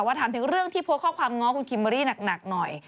ถามถึงเรื่องที่โพสต์ข้อความง้อคุณคิมเบอร์รี่หนักหน่อย